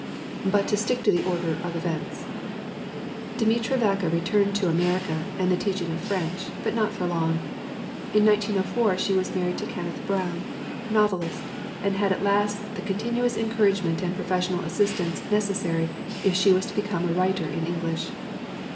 But to stick to the order of events: Demetra Vaka returned to America and the teach ing of French but not for long. In 1904 she was married to Kenneth Brown, novelist, and had at last the continuous encouragement and professional as sistance' necessary if she was to become a writer in English.